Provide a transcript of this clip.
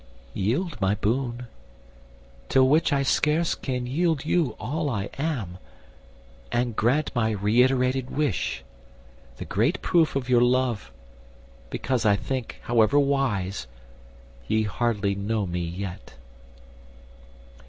Yield my boon, Till which I scarce can yield you all I am; And grant my re reiterated wish, The great proof of your love: because I think, However wise, ye hardly know me yet."